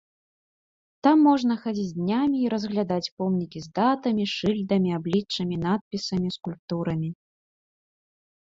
Там можна хадзіць днямі і разглядаць помнікі з датамі, шыльдамі, абліччамі, надпісамі, скульптурамі.